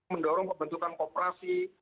mendorong kebentukan kooperasi